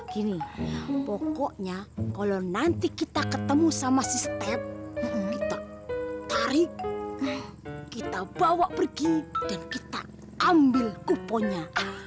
gini pokoknya kalau nanti kita ketemu sama si step kita tarik kita bawa pergi dan kita ambil kuponnya